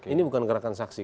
ini bukan gerakan saksi